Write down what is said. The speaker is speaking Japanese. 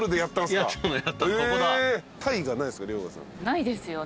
ないですよ。